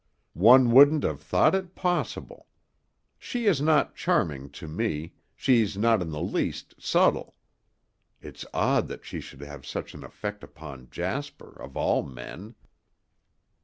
One wouldn't have thought it possible. She is not charming to me, she's not in the least subtle. It's odd that she should have had such an effect upon Jasper, of all men...."